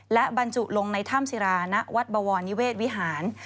และบรรจุลงในถ้ำศิราณวัดบวรนิเวศวิหาร